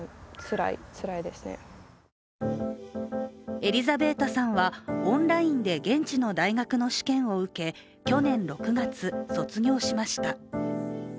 エリザベータさんはオンラインで現地の大学の試験を受け去年６月、卒業しました。